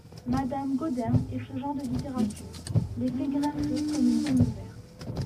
Madame Gaudin Et ce genre de littérature … les fait grincer comme une pomme verte.